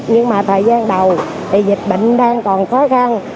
nhưng mà thời gian đầu thì dịch bệnh đang còn khó khăn